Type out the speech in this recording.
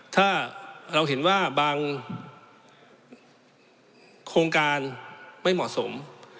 ถ้าเราเห็นว่าบางโครงการไม่เหมาะสม